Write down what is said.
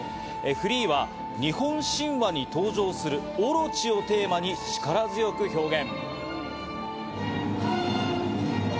フリーは日本神話に登場する「大蛇」をテーマに力強く表現。